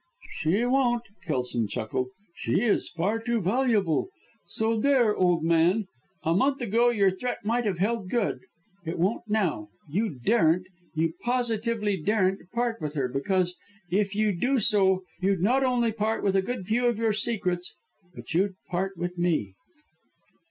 "She won't," Kelson chuckled. "She is far too valuable. So there, old man! A month ago your threat might have held good. It won't now. You daren't you positively daren't part with her because, if you did so, you'd not only part with a good few of your secrets, but you'd part with me."